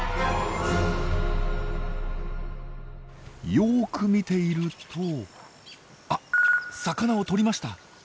よく見ているとあっ魚をとりました！